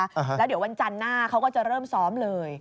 แล้วเดี๋ยววันจันทร์หน้าเขาก็จะเริ่มซ้อมเลย